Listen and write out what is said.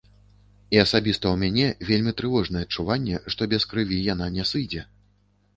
І асабіста ў мяне вельмі трывожнае адчуванне, што без крыві яна не сыдзе.